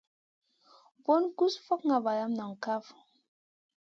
Bun gus fokŋa valam noŋ kaf.